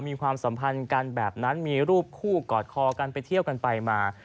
ความสัมพันธ์กันแบบนั้นมีรูปคู่กอดคอกันไปเที่ยวกันไปมา